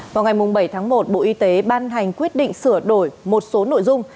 vào ngày bảy tháng một bộ y tế ban hành quyết định sửa đổi một số nội dung